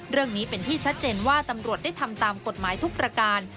เรื่องนี้เป็นที่ชัดเจนว่าตำรวจได้ทำตามกฎหมายทุกประการ